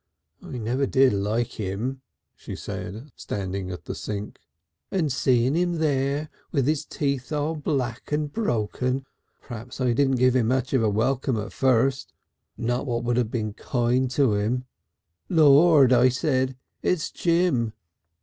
"I never did like 'im," she said, standing at the sink. "And seeing him there, with his teeth all black and broken . P'raps I didn't give him much of a welcome at first. Not what would have been kind to him. 'Lord!' I said, 'it's Jim.'"